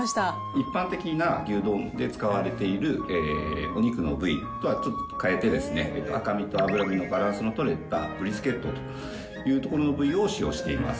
一般的な牛丼で使われているお肉の部位とはちょっと変えてですね、赤身と脂身のバランスの取れたブリスケットという所の部位を使用しています。